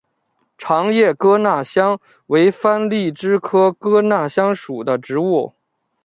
长叶哥纳香为番荔枝科哥纳香属的植物。